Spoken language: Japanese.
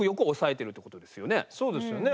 そうですよね。